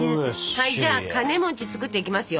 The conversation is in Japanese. はいじゃあカネ作っていきますよ。